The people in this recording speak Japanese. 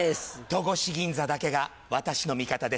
戸越銀座だけが私の味方です。